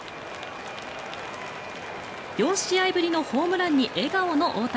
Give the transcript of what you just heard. ４試合ぶりのホームランに笑顔の大谷。